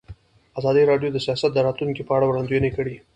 ازادي راډیو د سیاست د راتلونکې په اړه وړاندوینې کړې.